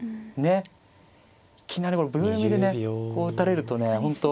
いきなり秒読みでねこう打たれるとね本当。